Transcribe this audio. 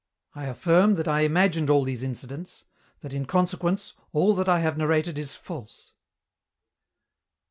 I affirm that I imagined all these incidents, that, in consequence, all that I have narrated is false."